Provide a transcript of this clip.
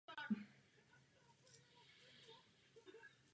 Nedaleko kláštera stojí věž zvonice se třemi zvony.